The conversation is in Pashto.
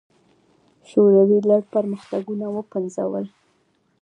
شوروي لړ پرمختګونه وپنځول.